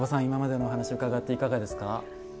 今までのお話を伺っていかがですか？